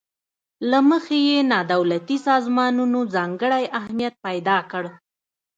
له مخې یې نا دولتي سازمانونو ځانګړی اهمیت پیداکړی.